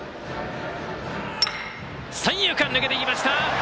三遊間抜けていきました。